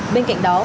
bên cạnh đó